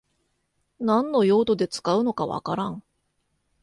何の用途で使うのかわからん